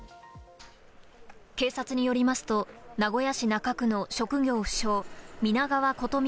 警察によりますと名古屋市中区の職業不詳、皆川琴美